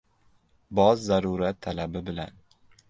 — Boz zarurat talabi bilan